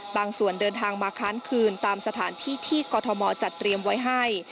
ส่วนเดินทางมาค้านคืนตามสถานที่ที่กรทมจัดเตรียมไว้ให้